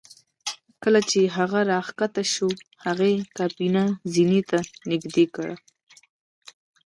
کله چې هغه راښکته شو هغې کابینه زینې ته نږدې کړه